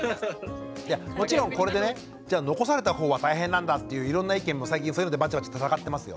もちろんこれでねじゃあ残されたほうは大変なんだっていういろんな意見も最近そういうのでバチバチ戦ってますよ。